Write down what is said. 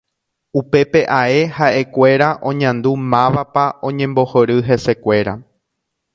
Upépe ae ha'ekuéra oñandu mávapa oñembohory hesekuéra.